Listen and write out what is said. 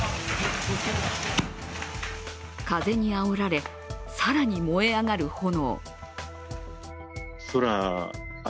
風にあおられ更に燃え上がる炎。